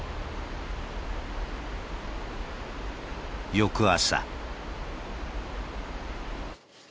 翌朝。